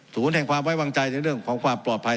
แห่งความไว้วางใจในเรื่องของความปลอดภัย